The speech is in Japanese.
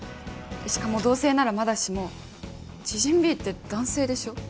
しかも同性ならまだしも知人Ｂって男性でしょ？